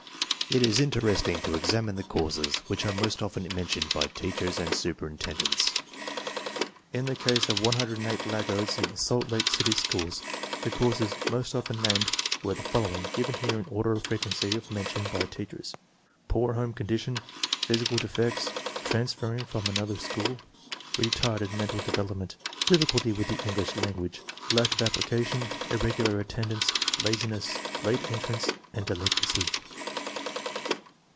It is interesting to examine the causes which are most often mentioned by teachers and superintend ents. In the case of 108 laggards in the Salt Lake City schools, the causes most often named were the follow ing, given here in order of frequency of mention by teachers: poor home condition, physical defects, transferring from another school, retarded mental de velopment, difficulty with the English language, lack of application, irregular attendance, laziness, late en trance, and delinquency.